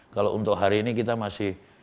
kalau untuk hari ini kita masih